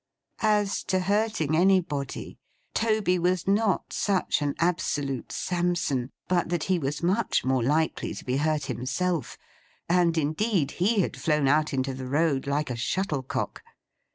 As to hurting anybody, Toby was not such an absolute Samson, but that he was much more likely to be hurt himself: and indeed, he had flown out into the road, like a shuttlecock.